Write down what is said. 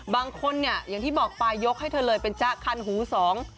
บางคนเนี่ยอย่างที่บอกไปยกให้เธอเลยเป็นจ๊ะคันหูสอง